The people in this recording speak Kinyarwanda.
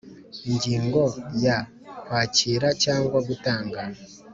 Ingingo ya kwakira cyangwa gutanga